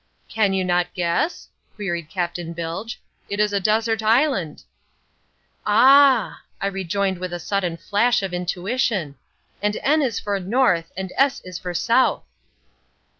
"Can you not guess?" queried Captain Bilge. "It is a desert island." "Ah!" I rejoined with a sudden flash of intuition, "and N is for North and S is for South."